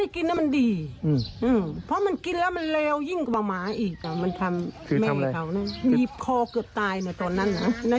กี้พอเกือบตายโดยตอนนั้นอ่ะ